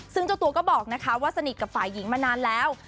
ซึ่งเจ้าตัวก็บอกนะคะว่าสนิทกับฝ่ายหญิงมานานแล้ว